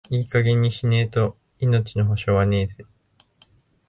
いい加減にしねえと、命の保証はねえぜ。